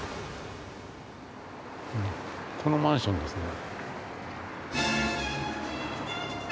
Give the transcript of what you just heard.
このマンションですね。